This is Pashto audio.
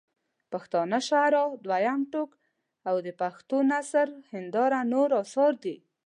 پښتانه شعراء دویم ټوک او د پښټو نثر هنداره نور اثار دي.